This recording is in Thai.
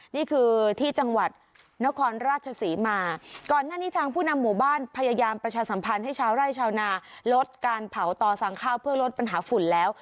นี่คือที่จังหวัดนครราชศรีมาก่อนหน้านี้ทางผู้นำหมู่บ้านพยายามประชาสัมพันธ์ให้ชาวไร่ชาวนาลดการเผาต่อสั่งข้าวเพื่อลดปัญหาฝุ่นแล้ว